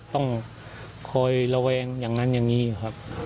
ต้องคอยระแวงอย่างนั้นอย่างนี้อยู่ครับ